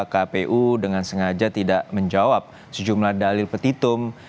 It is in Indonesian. kpu dengan sengaja tidak menjawab sejumlah dalil petitum